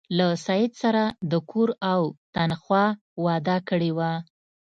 له سید سره د کور او تنخوا وعده کړې وه.